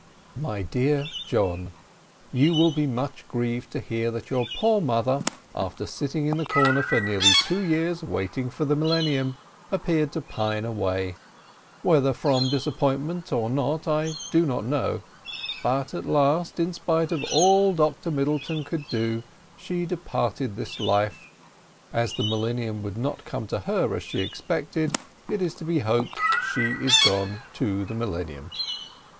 "My Dear John "You will be much grieved to hear that your poor mother, after sitting in the corner for nearly two years waiting for the millennium, appeared to pine away; whether from disappointment or not I do not know; but at last, in spite of all Dr Middleton could do, she departed this life; and, as the millennium would not come to her as she expected, it is to be hoped she is gone to the millennium.